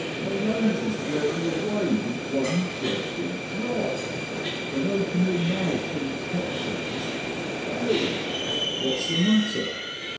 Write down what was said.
"My nose is wearing away with one dreadful drop." "Then open your mouth and catch it. Oh!" "What's the matter?"